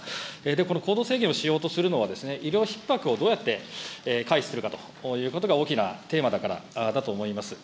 この行動制限をしようというのは、医療ひっ迫をどうやって回避するかということが、大きなテーマだからだと思います。